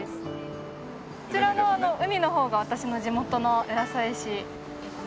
こちら側の海の方が私の地元の浦添市ですね。